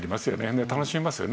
で楽しみますよね。